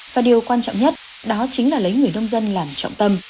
và điều quan trọng nhất đó chính là lấy người nông dân làm trọng tâm